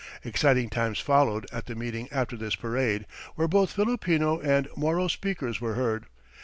Exciting times followed at the meeting after this parade, where both Filipino and Moro speakers were heard.